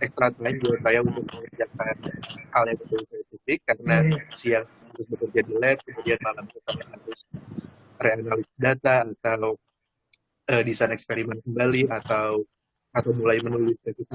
ekstrak lain juga saya untuk mengerjakan hal yang betul betul kritik karena siang bekerja di lab kemudian malam kemudian harus reanalisis data atau desain eksperimen kembali atau mulai menulis